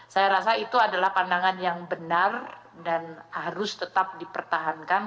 saya rasa itu adalah pandangan yang benar dan harus tetap dipertahankan